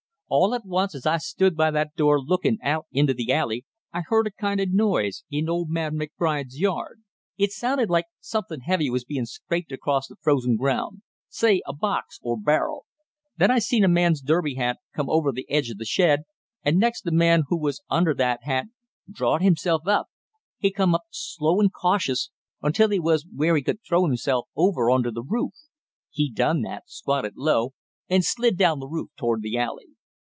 "All at once as I stood by that door lookin' out into the alley, I heard a kind of noise in old man McBride's yard. It sounded like something heavy was bein' scraped across the frozen ground, say a box or barrel. Then I seen a man's derby hat come over the edge of the shed, and next the man who was under that hat drawed himself up; he come up slow and cautious until he was where he could throw himself over on to the roof. He done that, squatted low, and slid down the roof toward the alley.